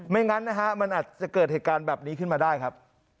งั้นนะฮะมันอาจจะเกิดเหตุการณ์แบบนี้ขึ้นมาได้ครับ